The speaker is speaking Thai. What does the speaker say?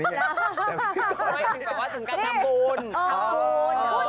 ไม่เป็นแบบว่าถึงการทำบุญ